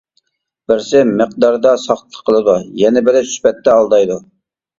بىرسى مىقداردا ساختىلىق قىلىدۇ، يەنە بىرى سۈپەتتە ئالدايدۇ.